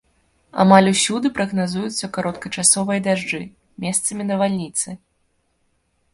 Амаль усюды прагназуюцца кароткачасовыя дажджы, месцамі навальніцы.